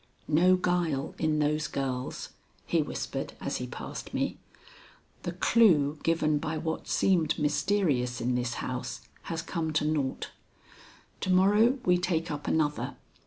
"No guile in those girls," he whispered as he passed me. "The clue given by what seemed mysterious in this house has come to naught. To morrow we take up another.